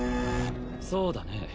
そうだね